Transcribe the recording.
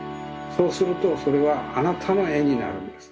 そうするとそれはあなたのえになるんです。